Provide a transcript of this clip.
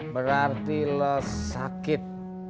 berarti lo sakit